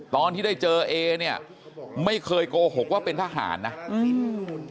ตอนที่ได้เจอเอเนี่ยไม่เคยโกหกว่าเป็นทหารนะอืม